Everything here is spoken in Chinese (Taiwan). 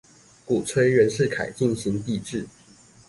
鼓吹袁世凱進行帝制